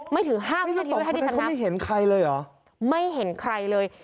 ไม่ถึง๕วินาทีไม่เห็นใครเลย